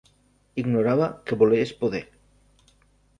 Ignorava que voler és poder.